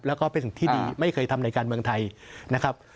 แล้วก็เป็นสิ่งที่ดีไม่เคยทำในการเมืองไทยนะครับ